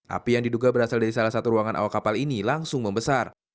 api yang diduga berasal dari salah satu ruangan awak kapal ini langsung membesar